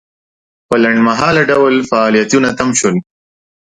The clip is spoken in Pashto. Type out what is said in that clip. په لنډمهاله ډول فعالیتونه تم شول.